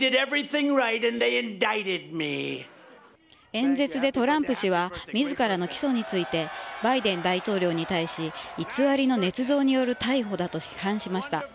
演説でトランプ氏は自らの起訴についてバイデン大統領に対し偽りのねつ造による逮捕だと批判しました。